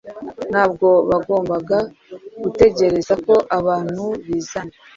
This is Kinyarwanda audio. Ntabwo bagombaga gutegereza ko abantu bizana